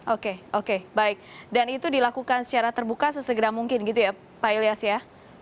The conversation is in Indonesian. oke oke baik dan itu dilakukan secara terbuka sesegera mungkin gitu ya pak ilyas ya